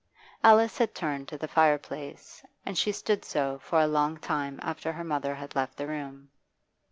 Alice had turned to the fireplace, and she stood so for a long time after her mother had left the room.